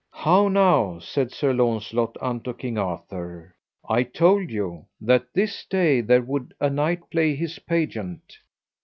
How now, said Sir Launcelot unto King Arthur, I told you that this day there would a knight play his pageant.